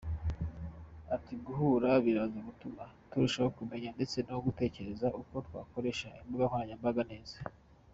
Ati “Guhura biraza gutuma turushaho kumenya ndetse no gutekereza uko twakoresha imbuga nkoranyambaga neza.